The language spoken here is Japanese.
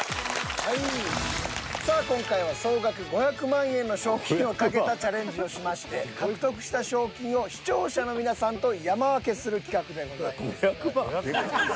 今回は総額５００万円の賞金を懸けたチャレンジをしまして獲得した賞金を視聴者の皆さんと山分けする企画でございます。